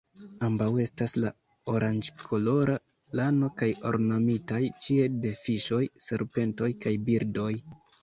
Ambaŭ estas el oranĝkolora lano kaj ornamitaj ĉie de fiŝoj, serpentoj kaj birdoj.